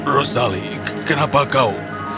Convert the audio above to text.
rosali kenapa kau